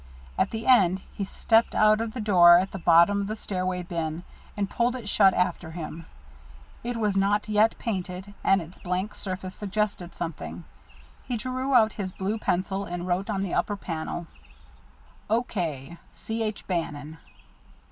At the end he stepped out of the door at the bottom of the stairway bin, and pulled it shut after him. It was not yet painted, and its blank surface suggested something. He drew out his blue pencil and wrote on the upper panel: O.K. C. H. BANNON.